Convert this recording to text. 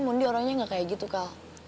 mon dia orangnya gak kayak gitu kal